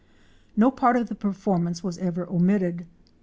No part of the performance was ever omitted.